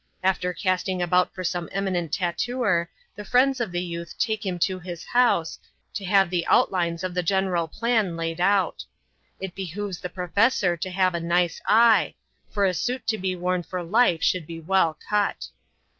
After casting about for some eminent tattooer, the friends of the youth take him to his house, to have the out lines of the general plan laid out. It behoves the professor to have a nice eye, for a suit to be worn for life should be well cut.